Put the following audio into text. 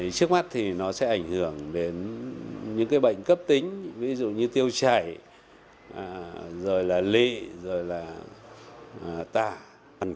trước mắt thì nó sẽ ảnh hưởng đến những bệnh cấp tính ví dụ như tiêu chảy rồi là lị rồi là tả